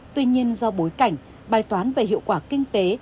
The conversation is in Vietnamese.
tuy nhiên do bối cảnh bài toán về hiệu quả kinh tế